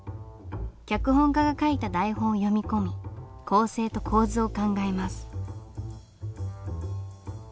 脚本家が書いた台本を読み込み構成と構図を考えます。